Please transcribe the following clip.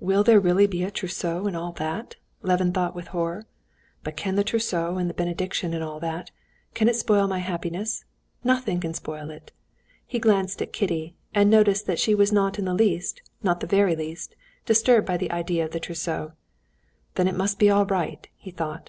"Will there really be a trousseau and all that?" Levin thought with horror. "But can the trousseau and the benediction and all that—can it spoil my happiness? Nothing can spoil it!" He glanced at Kitty, and noticed that she was not in the least, not in the very least, disturbed by the idea of the trousseau. "Then it must be all right," he thought.